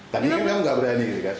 tadi kan kamu nggak berani